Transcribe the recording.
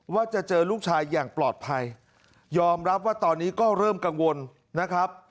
ว่าจะเจอลูกชายอย่างปลอดภัยยอมรับว่าตอนนี้ก็เริ่มกังวลนะครับ